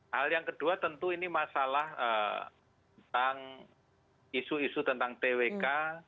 hal yang kedua tentu ini masalah tentang isu isu tentang twk